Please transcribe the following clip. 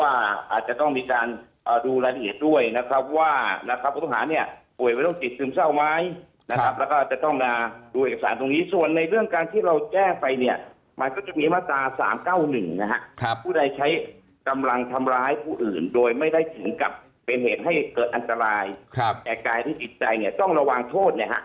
อาจจะต้องมีการดูรายละเอียดด้วยนะครับว่านะครับผู้ต้องหาเนี่ยป่วยเป็นโรคจิตซึมเศร้าไหมนะครับแล้วก็จะต้องมาดูเอกสารตรงนี้ส่วนในเรื่องการที่เราแจ้งไปเนี่ยมันก็จะมีมาตรา๓๙๑นะฮะผู้ใดใช้กำลังทำร้ายผู้อื่นโดยไม่ได้ถึงกับเป็นเหตุให้เกิดอันตรายแก่กายหรือจิตใจเนี่ยต้องระวังโทษเนี่ยฮะ